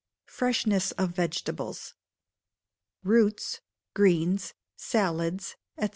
Freshness of Vegetables. Roots, greens, salads, &c.